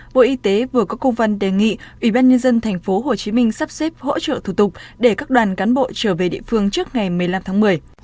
bộ y tế vừa có công văn đề nghị ủy ban nhân dân tp hcm sắp xếp hỗ trợ thủ tục để các đoàn cán bộ trở về địa phương trước ngày một mươi năm tháng một mươi